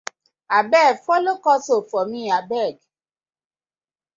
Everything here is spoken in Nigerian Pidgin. Abeg follo cut soap for mi abeg.